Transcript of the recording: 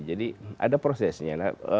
jadi ada prosesnya